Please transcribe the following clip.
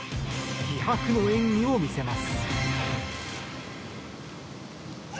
気迫の演技を見せます。